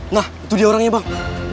nah itu dia orangnya bang